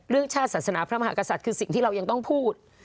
ชาติศาสนาพระมหากษัตริย์คือสิ่งที่เรายังต้องพูด